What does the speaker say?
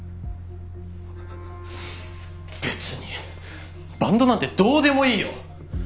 別にバンドなんてどうでもいいよ。